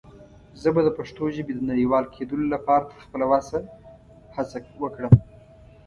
زه به دَ پښتو ژبې د نړيوال کيدلو لپاره تر خپله وسه هڅه وکړم.